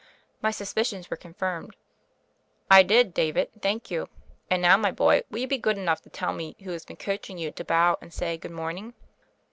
My suspicions were confirmed. "I did, David, thank you. And now, my boy, will you be good enough to tell me who has been coaching you to bow and say *Good morning'